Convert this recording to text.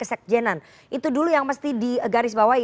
sekjenan itu dulu yang mesti digarisbawahi